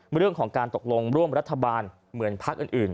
เป็นเรื่องของการตกลงร่วมกับรัฐบาลเหมือนพลักษณ์อื่น